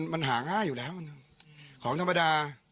มันหาง่ายอยู่แล้วของธรรมดา